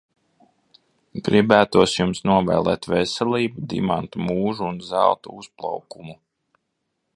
Gribētos jums novēlēt veselību, dimanta mūžu un zelta uzplaukumu.